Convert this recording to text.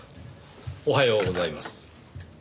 おはようございます。